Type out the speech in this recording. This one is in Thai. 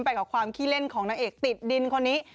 ไปกับความขี้เล่นของนางเอกติดดินคนนี้